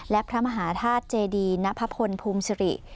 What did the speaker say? และพระมหาธาตุเจดีณพพลภูมิสิริ